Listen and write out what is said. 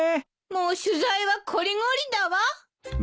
もう取材はこりごりだわ。